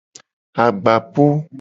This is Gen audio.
Agbapu.